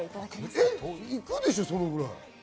えっ、行くでしょそのくらい。